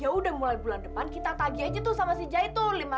yaudah mulai bulan depan kita tagih aja sama si jay tuh